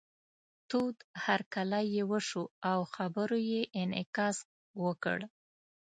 تود هرکلی یې وشو او خبرو یې انعکاس وکړ.